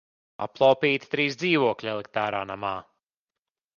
Aplaupīti trīs dzīvokļi elitārā namā!